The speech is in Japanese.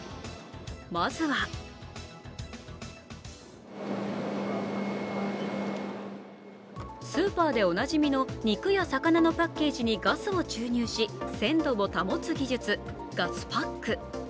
まずはスーパーでおなじみの肉や魚のパッケージにガスを注入し、鮮度を保つ技術、ガスパック。